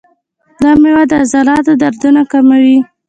دا میوه د عضلاتو دردونه کموي.